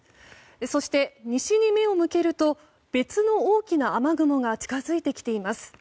そして西に目を向けると別の大きな雨雲が近づいてきています。